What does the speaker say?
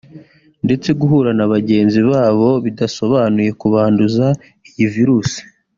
ndetse guhura na bagenzi babo bidasobanuye kubanduza iyi virusi